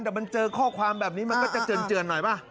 แต่มันเจอข้อความแบบนี้มันก็จะเจือนหน่อยป่ะ